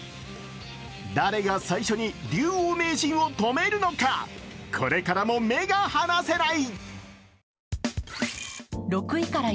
誰が最初に竜王名人を止めるのか、これからも目が離せない。